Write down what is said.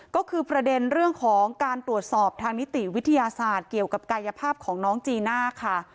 ก็คือประเด็นเรื่องของการตรวจสอบทางนิติวิทยาศาสตร์เกี่ยวกับกายภาพของน้องจีน่าค่ะ